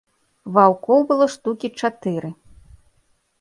Ваўкоў было штукі чатыры.